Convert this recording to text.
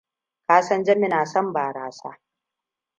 Ka san Jami na son barasa.